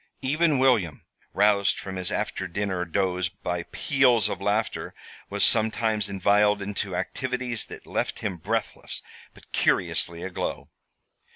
Even William, roused from his after dinner doze by peals of laughter, was sometimes inveigled into activities that left him breathless, but curiously aglow.